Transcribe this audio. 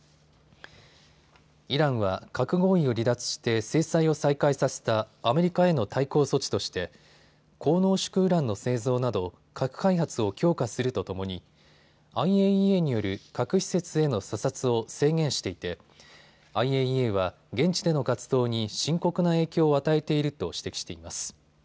イランは核合意を離脱して制裁を再開させたアメリカへの対抗措置として高濃縮ウランの製造など核開発を強化するとともにＩＡＥＡによる核施設への査察を制限していてＩＡＥＡは現地での活動に深刻な影響を与えていると指摘しています。